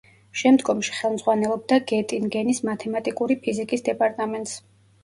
შემდგომში ხელმძღვანელობდა გეტინგენის მათემატიკური ფიზიკის დეპარტამენტს.